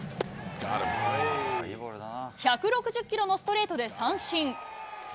１６０キロのストレートで三振。